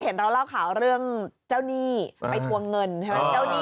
เห็นเราเล่าข่าวเรื่องเจ้าหนี้ไปทวงเงินใช่ไหมเจ้าหนี้